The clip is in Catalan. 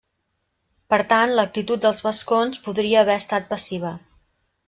Per tant l'actitud dels vascons podria haver estat passiva.